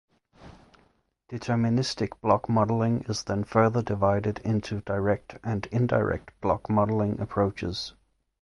Deterministic blockmodeling is then further divided into direct and indirect blockmodeling approaches.